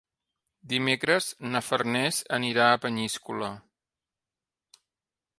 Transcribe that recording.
Dimecres na Farners anirà a Peníscola.